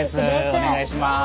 お願いします。